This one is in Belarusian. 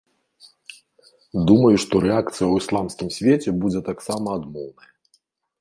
Думаю, што рэакцыя ў ісламскім свеце будзе таксама адмоўная.